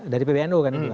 dari pbnu kan ini